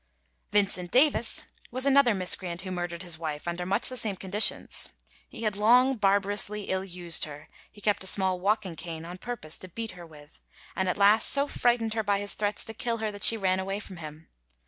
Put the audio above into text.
Vincent Davis was another miscreant who murdered his wife, under much the same conditions. He had long barbarously ill used her; he kept a small walking cane on purpose to beat her with, and at last so frightened her by his threats to kill her that she ran away from him.